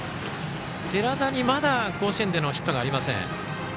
寺田にまだ甲子園でのヒットがありません。